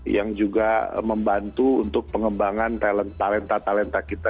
yang juga membantu untuk pengembangan talenta talenta kita di bidang perfilman